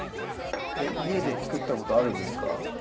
家で作ったことあるんですか？